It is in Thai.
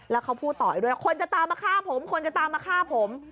แล้วเขาพูดต่ออีกด้วยว่าคนจะตามมาฆ่าผมคนจะตามมาฆ่าผม